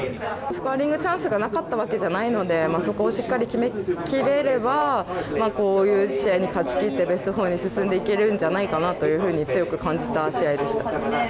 スコアリングチャンスがなかったわけじゃないのでそこをしっかり決めきれればこういう試合に勝ちきってベスト４に進んでいけるんじゃないかなと強く感じた試合でした。